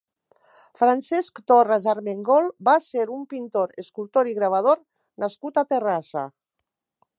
Francesc Torras Armengol va ser un pintor, escultor i gravador nascut a Terrassa.